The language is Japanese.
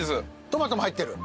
トマトも入ってる。